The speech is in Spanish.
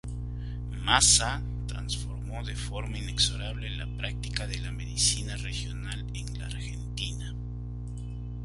Mazza transformó de forma inexorable la práctica de la medicina regional en la Argentina.